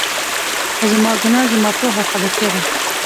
خو زما ګناه، زما پوهه او خبرتيا ده.